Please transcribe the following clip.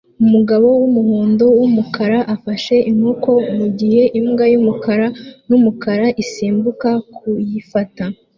umugabo wumuhondo wumukara afashe inkoni mugihe imbwa yumukara numukara isimbuka kuyifata